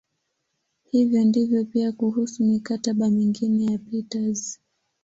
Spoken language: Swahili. Hivyo ndivyo pia kuhusu "mikataba" mingine ya Peters.